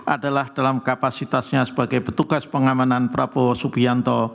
adalah dalam kapasitasnya sebagai petugas pengamanan prabowo subianto